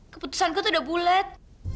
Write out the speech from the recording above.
keputusan ku tuh udah bulet